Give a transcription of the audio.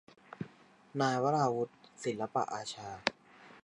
นายวราวุธ ศิลปอาชา